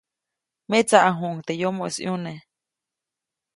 Metsaʼajuʼuŋ teʼ yomoʼis ʼyune.